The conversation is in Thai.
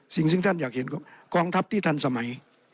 สิ่งซึ่งท่านอยากเห็นกองทัพที่ทันสมัย